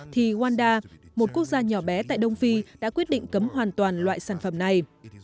thì gwanda một quốc gia nhỏ bé tại đông phi đã quyết định cấm hoàn toàn loại sản phẩm này